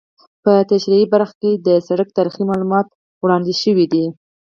په تشریحي برخه کې د سرک تاریخي معلومات وړاندې شوي دي